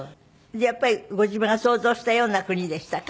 やっぱりご自分が想像したような国でしたか？